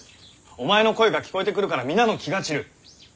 お前の声が聞こえてくるから皆の気が散る。